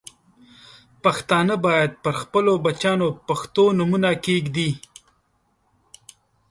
پښتانه باید پر خپلو بچیانو پښتو نومونه کښېږدي.